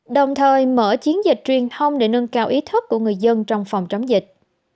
đồng thời mở chiến dịch truyền thông để nâng cao ý thức của người dân trong phòng chống dịch